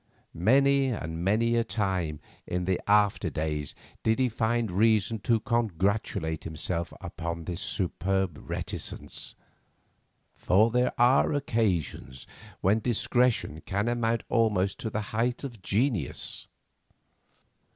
Many and many a time in the after days did he find reason to congratulate himself upon this superb reticence—for there are occasions when discretion can amount almost to the height of genius.